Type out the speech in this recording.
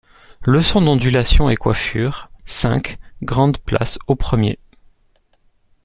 Leçons d'ondulations et coiffures, cinq, Grande-Place, au premier.